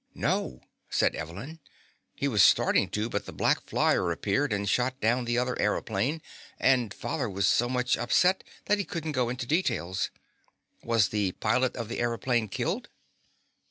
"No," said Evelyn. "He was starting to, but the black flyer appeared and shot down the other aëroplane, and father was so much upset that he couldn't go into details. Was the pilot of the aëroplane killed?"